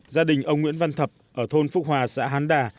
gia đình ông nguyễn văn thập ở thôn phúc hòa xã hán đà